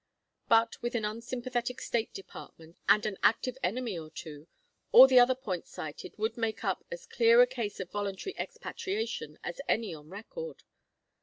But with an unsympathetic State Department and an active enemy or two, all the other points cited would make up as clear a case of voluntary expatriation as any on record.